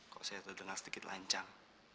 kok saya terdengar sedikit lancang